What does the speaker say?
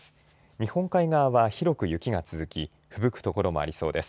日本海側は広く雪が続き、ふぶく所もありそうです。